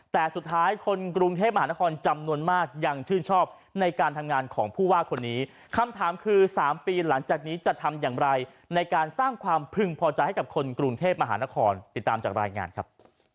แต่สุดท้ายคนกรุงเทพมหานครจำนวนมากยังชื่นชอบในการทำงานของผู้ว่าคนนี้คำถามคือ๓ปีหลังจากนี้จะทำอย่างไรในการสร้างความพึงพอใจให้กับคนกรุงเทพมหานครติดตามจากรายงานครับ